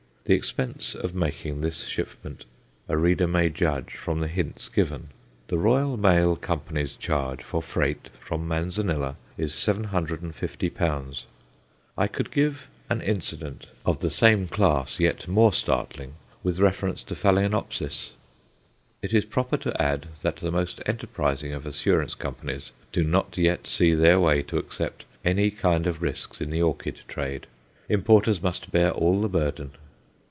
The expense of making this shipment a reader may judge from the hints given. The Royal Mail Company's charge for freight from Manzanilla is 750l. I could give an incident of the same class yet more startling with reference to Phaloenopsis. It is proper to add that the most enterprising of Assurance Companies do not yet see their way to accept any kind of risks in the orchid trade; importers must bear all the burden.